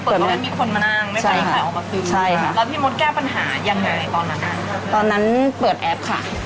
เปิดป่ะมันมีคนมานั่งไม่ไหวคลายออกมาทานแล้วคะ